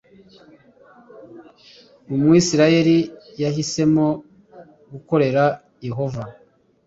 umwisirayeli yahisemo gukorera yehova .